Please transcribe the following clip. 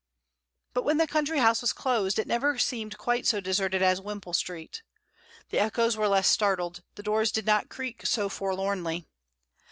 But when the country house was closed, it never seemed quite so deserted as Wimpole Street. The echoes were less startled; the doors did not creak so forlornly.